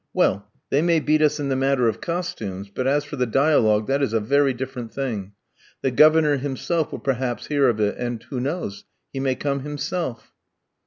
Well, they may beat us in the matter of costumes, but as for the dialogue that is a very different thing. The Governor himself will perhaps hear of it, and who knows? he may come himself."